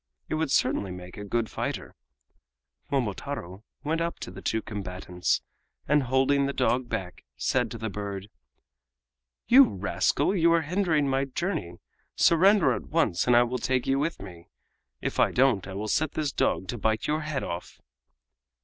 It would certainly make a good fighter. Momotaro went up to the two combatants, and holding the dog back, said to the bird: "You rascal! you are hindering my journey. Surrender at once, and I will take you with me. If you don't I will set this dog to bite your head off!"